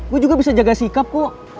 gue juga bisa jaga sikap kok